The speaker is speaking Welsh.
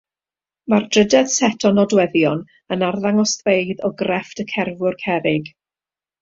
Mae'r drydedd set o nodweddion yn arddangosfeydd o grefft y cerfiwr cerrig.